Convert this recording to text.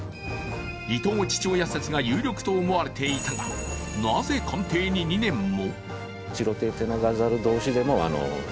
イトウ父親説が有力かと思われていたが、なぜ鑑定に２年も？